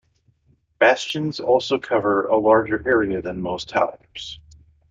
Bastions also cover a larger area than most towers.